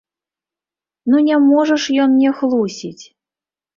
Ну не можа ж ён мне хлусіць!